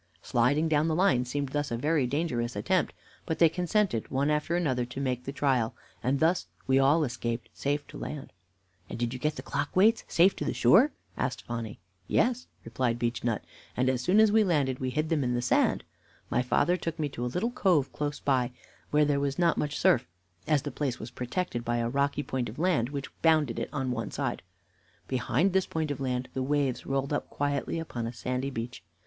"Sliding down the line seemed thus a very dangerous attempt, but they consented one after another to make the trial, and thus we all escaped safe to land." "And did you get the clock weights safe to the shore?" asked Phonny. "Yes," replied Beechnut, "and as soon as we landed we hid them in the sand. My father took me to a little cove close by, where there was not much surf, as the place was protected by a rocky point of land which bounded it on one side. Behind this point of land the waves rolled up quietly upon a sandy beach.